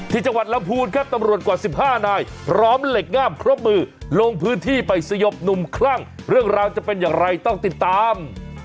ที่จังหวัดลำพูนครับตำรวจกว่า๑๕นายพร้อมเหล็กง่ามครบมือลงพื้นที่ไปสยบหนุ่มคลั่งเรื่องราวจะเป็นอย่างไรต้องติดตาม